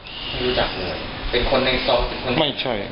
เป็นคนในซอง